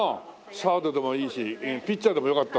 サードでもいいしピッチャーでもよかったのに。